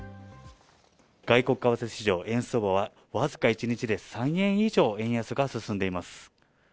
外国為替市場、円相場はわずか一日で３円以上円安が進んでいます。